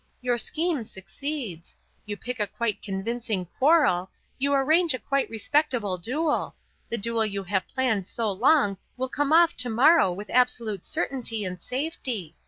Your scheme succeeds; you pick a quite convincing quarrel; you arrange a quite respectable duel; the duel you have planned so long will come off tomorrow with absolute certainty and safety.